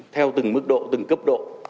theo từng mức độ từng cấp độ